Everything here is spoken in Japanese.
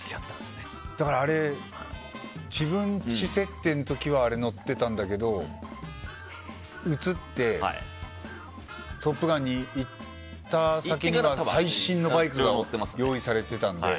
だから、あれ自分ち設定の時はあれ乗ってたんだけど移って「トップガン」に行った先には最新のバイクが用意されてたので。